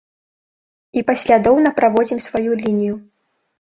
І паслядоўна праводзім сваю лінію.